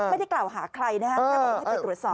ไม่ได้กล่าวหาใครนะฮะถ้าไม่ได้ตรวจสอบ